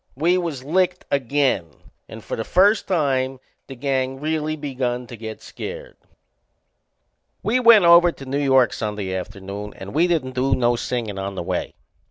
We was licked again and for the first time the gang really begun to get scared. We went over to New York Sunday afternoon and we didn't do no singin' on the way.